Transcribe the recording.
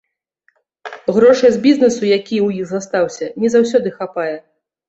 Грошай з бізнэсу, які ў іх застаўся, не заўсёды хапае.